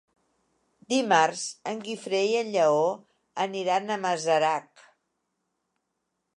Dimarts en Guifré i en Lleó aniran a Masarac.